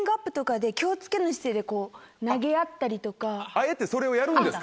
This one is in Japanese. あえてそれをやるんですか。